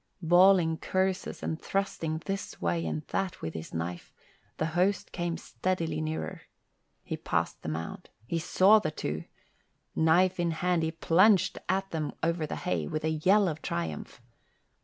Bawling curses and thrusting this way and that with his knife, the host came steadily nearer. He passed the mound. He saw the two. Knife in hand he plunged at them over the hay, with a yell of triumph.